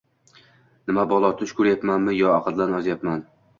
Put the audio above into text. Nima balo, tush ko`ryapmanmi yo aqldan ozyapman